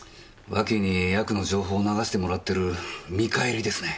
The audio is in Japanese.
脇にヤクの情報を流してもらってる見返りですね。